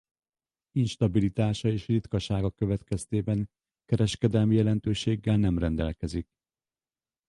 Instabilitása és ritkasága következtében kereskedelmi jelentőséggel nem rendelkezik.